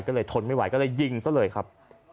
ก็เลยทนไม่ไหวก็เลยยิงซะเลยครับ